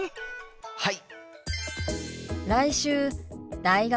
はい！